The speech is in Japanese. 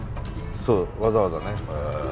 そうわざわざね。